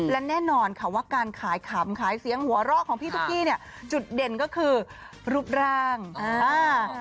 และแน่นอนค่ะว่าการขายขำขายเสียงหัวเราะของพี่ตุ๊กกี้เนี่ยจุดเด่นก็คือรูปร่างอ่า